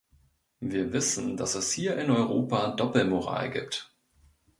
Wir wissen, dass es hier in Europa Doppelmoral gibt.